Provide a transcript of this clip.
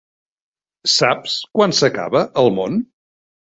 Saps quan s'acaba el món?